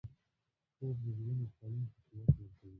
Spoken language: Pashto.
خوب د زړونو تړون ته قوت ورکوي